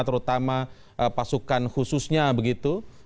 terutama pasukan khususnya begitu